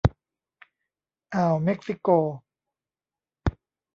อ่าวเม็กซิโก